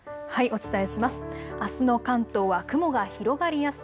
お伝えします。